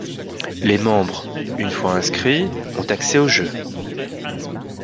Les membres, une fois inscrits, ont accès aux jeux.